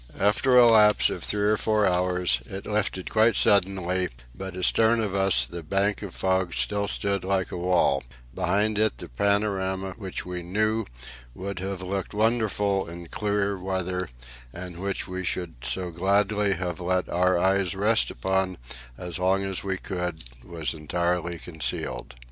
After a lapse of three or four hours, it lifted quite suddenly, but astern of us the bank of fog still stood like a wall; behind it the panorama, which we knew would have looked wonderful in clear weather, and which we should so gladly have let our eyes rest upon as long as we could, was entirely concealed.